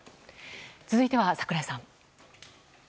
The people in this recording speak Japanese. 続いては、櫻井さん。